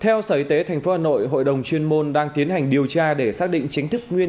theo sở y tế tp hà nội hội đồng chuyên môn đang tiến hành điều tra để xác định chính thức nguyên